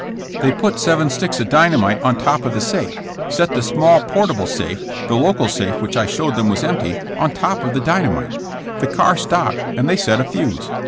They put seven sticks of dynamite on top of the safe, set the small portable safe, the local safe which I showed them was empty, on top of the dynamite. The car stopped and they set a fuse.